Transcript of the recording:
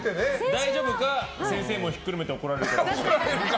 大丈夫か先生もひっくるめて怒られるか。